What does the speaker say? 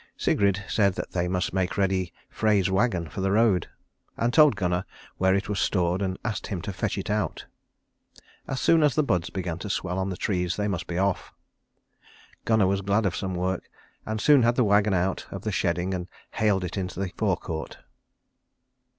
Sigrid said that they must make ready Frey's wagon for the road, and told Gunnar where it was stored and asked him to fetch it out. As soon as the buds began to swell on the trees they must be off. Gunnar was glad of some work, and soon had the wagon out of the shedding and haled it into the forecourt.